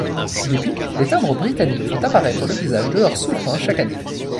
Depuis, les timbres britanniques font apparaître le visage de leur souverain chaque année.